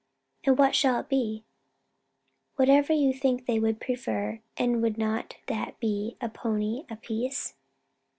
'" "And what shall it be?" "Whatever you think they would prefer, and would not that be a pony a piece?"